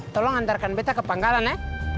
tolong antarkan beta ke pangkalan ya